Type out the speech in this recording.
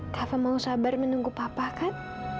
tanpa mau sabar menunggu papa kan